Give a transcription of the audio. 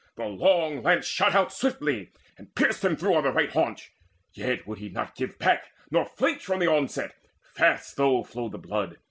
The long lance shot out swiftly, and pierced him through On the right haunch; yet would he not give back, Nor flinch from the onset, fast though flowed the blood.